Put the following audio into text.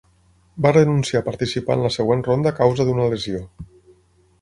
Va renunciar a participar en la següent ronda a causa d'una lesió.